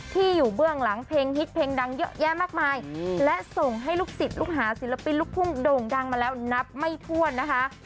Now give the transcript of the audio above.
ที่อยู่เบื้องหลังเพลงฮิตเพลงดังเยอะแยะมากมายและส่งให้ลูกศิษย์ลูกหาศิลปินลูกทุ่งโด่งดังมาแล้วนับไม่ถ้วนนะคะ